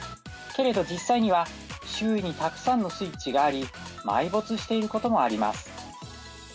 けれど実際には周囲にたくさんのスイッチがあり埋没している事もあります。